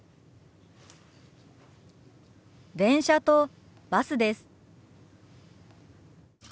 電車とバスです。